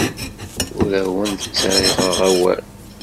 Ur awent-ttaɣeɣ awal.